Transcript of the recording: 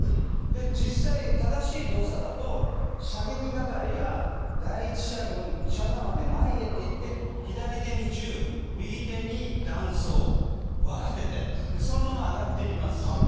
実際、正しい動作だと射撃係が第１射群射座まで前へと言って左手に銃、右手に弾倉分かれてそのまま上がっていきます。